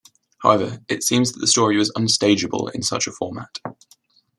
However, it seems that the story was "unstageable" in such a format.